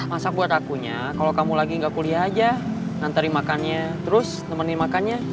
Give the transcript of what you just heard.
masak buat akunya kalau kamu lagi nggak kuliah aja ngantarin makannya terus nemenin makannya